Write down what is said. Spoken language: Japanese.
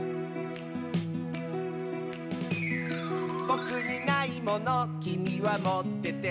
「ぼくにないものきみはもってて」